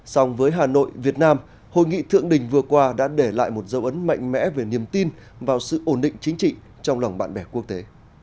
song với hà nội việt nam hội nghị thượng đỉnh vừa qua đã để lại một dấu ấn mạnh mẽ về niềm tin vào sự ổn định chính trị trong lòng bạn bè quốc tế